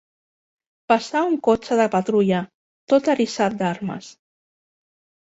Passà un cotxe de patrulla, tot eriçat d'armes